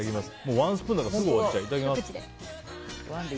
ワンスプーンだからすぐ終わっちゃう。